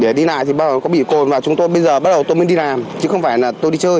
để đi lại thì bắt đầu có bị cồn và chúng tôi bây giờ bắt đầu tôi mới đi làm chứ không phải là tôi đi chơi